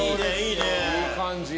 いい感じ。